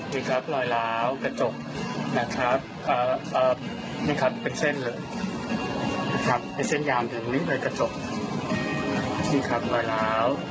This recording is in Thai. มีครับรอยล้าวกระจกนะครับนี่ครับเป็นเส้นเลยนะครับเป็นเส้นยามถึงนี่เลยกระจกที่ครับลอยล้าว